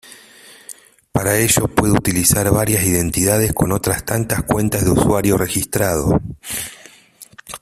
Para ello puede utilizar varias identidades con otras tantas cuentas de usuario registrado.